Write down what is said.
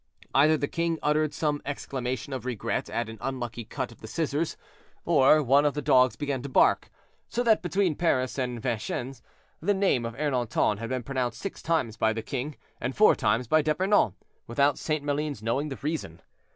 Either the king uttered some exclamation of regret at an unlucky cut of the scissors, or one of the dogs began to bark. So that between Paris and Vincennes, the name of Ernanton had been pronounced six times by the king, and four times by D'Epernon, without St. Maline's knowing the reason.